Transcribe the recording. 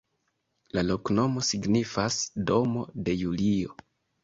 La loknomo signifas: domo de Julio.